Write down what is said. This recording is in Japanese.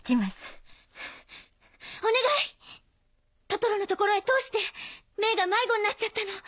トトロの所へ通してメイが迷子になっちゃったの。